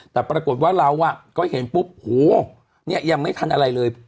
แต่ปรากฏว่าเราก็เห็นปุ๊บโหเนี่ยยังไม่ทันอะไรเลย